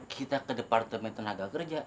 kita ke departemen tenaga kerja